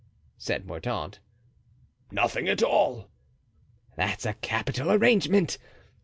said Mordaunt. "Nothing at all." "That's a capital arrangement.